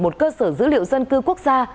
một cơ sở dữ liệu dân cư quốc gia